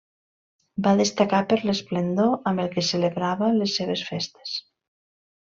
Va destacar per l'esplendor amb el que celebrava les seves festes.